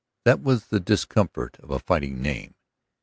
That was the discomfort of a fighting name.